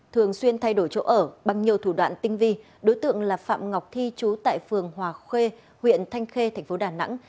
thường xuyên thay đổi chỗ ở bằng nhiều thủ đoạn tinh vi đối tượng là phạm ngọc thi chú tại phường hòa khuê huyện thanh khê thành phố đà nẵng